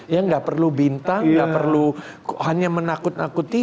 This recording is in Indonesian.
ya nggak perlu bintang nggak perlu hanya menakut nakuti